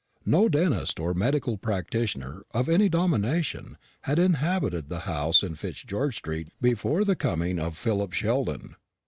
No dentist or medical practitioner of any denomination had inhabited the house in Fitzgeorge street before the coming of Philip Sheldon.